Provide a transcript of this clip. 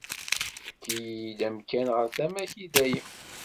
Tefkiḍ-iyi amkan ɣer tama-k, i dayem.